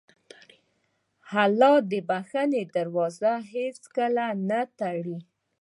الله د بښنې دروازه هېڅکله نه تړي.